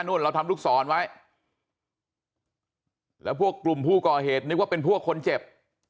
เราทำลูกศรไว้แล้วพวกกลุ่มผู้ก่อเหตุนึกว่าเป็นพวกคนเจ็บ